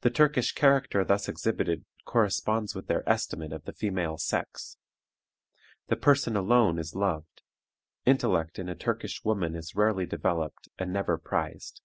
The Turkish character thus exhibited corresponds with their estimate of the female sex. The person alone is loved; intellect in a Turkish woman is rarely developed and never prized.